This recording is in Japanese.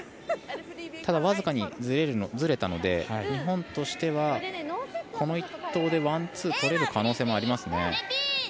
ただ、わずかにずれたので日本としてはこの１投でワン、ツー取れる可能性もありますね。